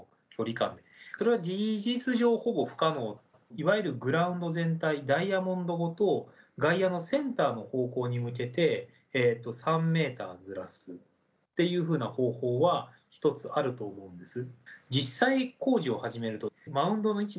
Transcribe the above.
いわゆるグラウンド全体、ダイヤモンドごと外野のセンターの方向に向けて、３メーターずらすっていうような方法は、一つあると思うんです。